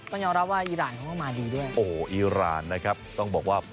ต้องยอมรับว่าอีรานเขาก็มาดีด้วยโอ้โหอีรานนะครับต้องบอกว่า